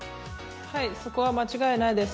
そこは間違いないです。